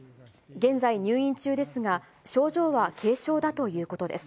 現在、入院中ですが、症状は軽症だということです。